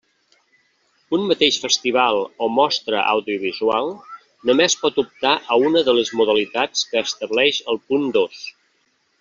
Un mateix festival o mostra audiovisual només pot optar a una de les modalitats que estableix el punt dos.